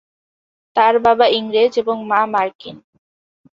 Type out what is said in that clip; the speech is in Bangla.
তার বাবা ইংরেজ এবং মা মার্কিন।